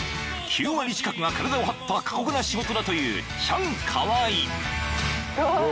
［９割近くが体を張った過酷な仕事だという］